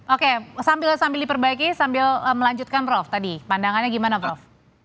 oke sambil diperbaiki sambil melanjutkan prof tadi pandangannya gimana prof